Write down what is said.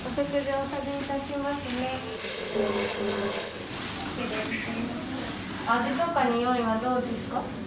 味とかにおいはどうですか？